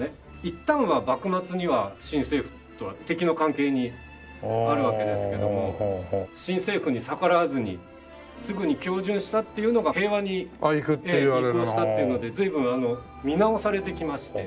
いったんは幕末には新政府とは敵の関係にあるわけですけども新政府に逆らわずにすぐに恭順したっていうのが平和に移行したっていうので随分見直されてきまして。